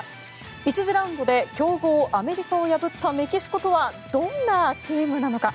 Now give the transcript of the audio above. １次ラウンドで強豪アメリカを破ったメキシコとはどんなチームなのか。